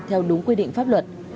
theo đúng quy định pháp luật